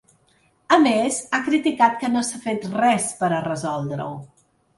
A més, ha criticat que no s’ha fet res per a resoldre-ho.